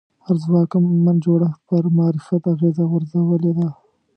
هر ځواکمن جوړښت پر معرفت اغېزه غورځولې ده